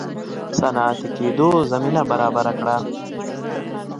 صنعتي کېدو زمینه برابره کړه.